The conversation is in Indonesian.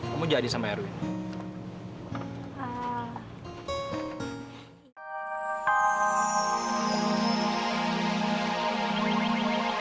kamu jadi sama erwin